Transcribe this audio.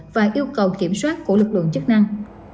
và yêu cầu kiểm soát của lực lượng chức năng